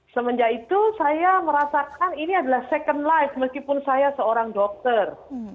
semenjak itu saya merasakan ini adalah second life meskipun saya seorang dokter